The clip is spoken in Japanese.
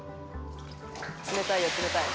「冷たいよ冷たい」